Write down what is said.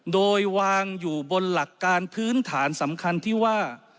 โดยวางอยู่บนหลักการพื้นฐานสำคัญที่ว่า